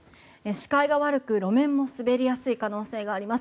視界が悪く路面も滑りやすい可能性があります。